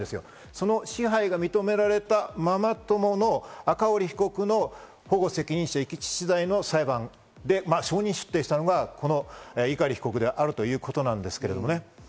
その支配が認められたママ友の赤堀被告の保護責任者遺棄致死罪の裁判で証人出廷したのが碇被告であるということなんですけれどもね。